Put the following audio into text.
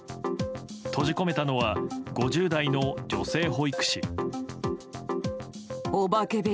閉じ込めたのは５０代の女性保育士。